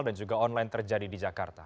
dan juga online terjadi di jakarta